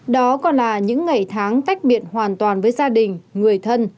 đó còn là những ngày tháng tách biệt hoàn toàn với gia đình người thân